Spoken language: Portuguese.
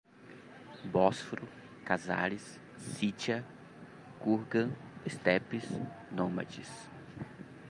Bósforo, Cazares, Cítia, Kurgan, estepes, nômades